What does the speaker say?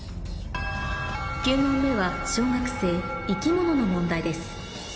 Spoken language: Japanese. ９問目は小学生生き物の問題です